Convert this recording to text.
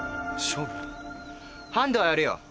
ハンデはやるよ。